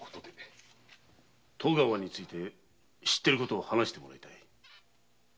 戸川について知ってることを話してもらいたい。